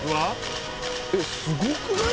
えっすごくない？